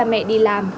cha mẹ đi làm